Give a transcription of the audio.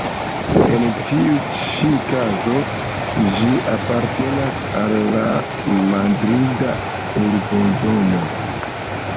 En tiu ĉi kazo ĝi apartenas al la Madrida Urbodomo.